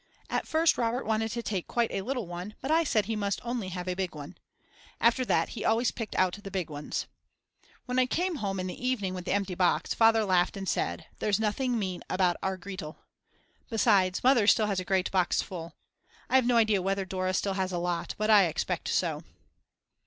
At first Robert wanted to take quite a little one, but I said he must only have a big one. After that he always picked out the big ones. When I came home in the evening with the empty box Father laughed and said: There's nothing mean about our Gretel. Besides, Mother still has a great box full; I have no idea whether Dora still has a lot, but I expect so.